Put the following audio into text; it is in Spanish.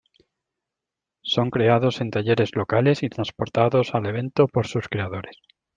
Son creados en talleres locales y transportados al evento por sus creadores.